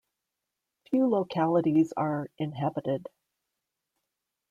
Few localities are inhabited.